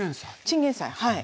チンゲンサイはい。